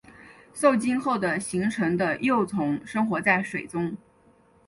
受精后的形成的幼虫生活在水中。